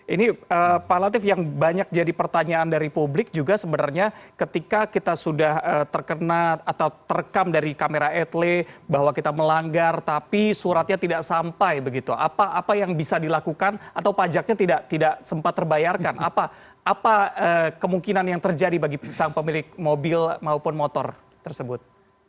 ini pak latif yang banyak jadi pertanyaan dari publik juga sebenarnya ketika kita sudah terkena atau terekam dari kamera etle bahwa kita melanggar tapi suratnya tidak sampai begitu apa apa yang bisa dilakukan atau pajaknya tidak sempat terbayarkan apa apa kemungkinan yang terjadi bagi pesang pemilik mobil maupun motor tersebut